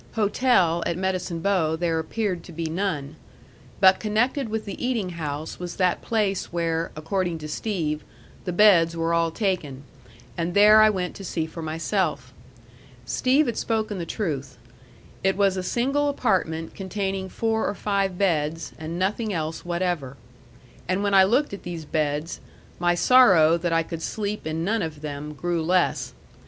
Hotel at Medicine Bow there appeared to be none. But connected with the eating house was that place where, according to Steve, the beds were all taken, and there I went to see for myself. Steve had spoken the truth. It was a single apartment containing four or five beds, and nothing else whatever. And when I looked at these beds, my sorrow that I could sleep in none of them grew less.